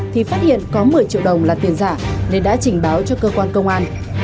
thì phát hiện có một mươi triệu đồng là tiền giả nên đã trình báo cho cơ quan công an